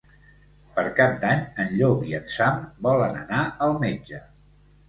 Per Cap d'Any en Llop i en Sam volen anar al metge.